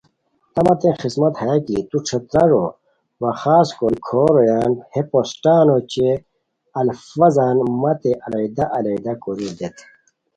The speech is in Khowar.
تہ متین خذمت ہیہ کی تو ݯھترارو وا خاص کوری کھو رویان ہے پوسٹان اوچے الفاظان مت علٰحیدہ علٰحیدہ کوری دیت